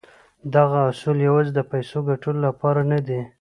دغه اصول يوازې د پيسو ګټلو لپاره نه دي.